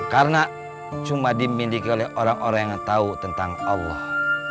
karena cuma dimiliki oleh orang orang yang tau tentang allah